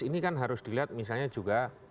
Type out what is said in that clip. ini kan harus dilihat misalnya juga